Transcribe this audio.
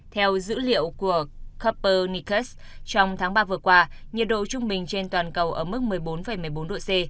theo dữ liệu của caper nicas trong tháng ba vừa qua nhiệt độ trung bình trên toàn cầu ở mức một mươi bốn một mươi bốn độ c